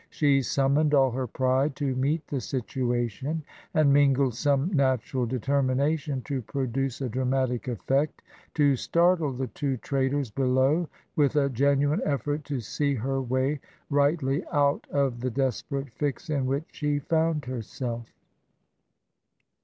She summoned all her pride to meet the situation, and mingled some natural determination to produce a dramatic effect to startle the two traitors below with a genuine effort to see her way rightly out of the desperate fix in which she found herself.